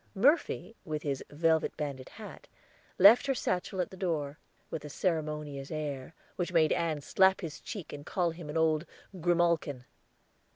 Murphy, with his velvet banded hat, left her satchel at the door, with a ceremonious air, which made Ann slap his cheek and call him an old grimalkin.